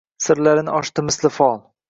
Sirlarini ochdi misli fol: